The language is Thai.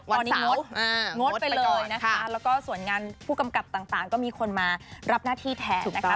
ตอนนี้งดงดไปเลยนะคะแล้วก็ส่วนงานผู้กำกับต่างก็มีคนมารับหน้าที่แทนนะคะ